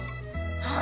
はい。